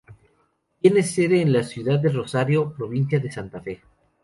Tiene sede en la Ciudad de Rosario, provincia de Santa Fe.